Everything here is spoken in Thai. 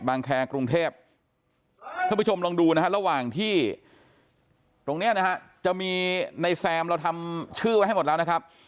แคร์กรุงเทพท่านผู้ชมลองดูนะฮะระหว่างที่ตรงเนี้ยนะฮะจะมีในแซมเราทำชื่อไว้ให้หมดแล้วนะครับ